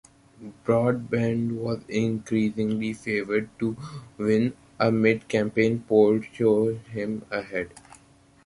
Broadbent was increasingly favoured to win, a mid-campaign poll showed him ahead.